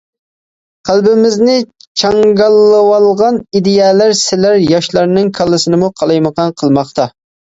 قەلبىمىزنى چاڭگاللىۋالغان ئىدىيەلەر سىلەر ياشلارنىڭ كاللىسىنىمۇ قالايمىقان قىلماقتا.